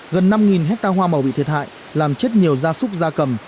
gần năm hectare hoa màu bị thiệt hại làm chết nhiều gia súc gia cầm